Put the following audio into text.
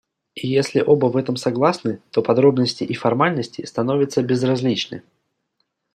И если оба в этом согласны, то подробности и формальности становятся безразличны.